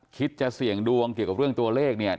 จะเสี่ยงดวงเกี่ยวกับเรื่องตัวเลขเนี่ย